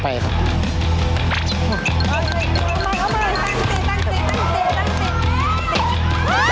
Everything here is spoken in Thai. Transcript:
ตั้งที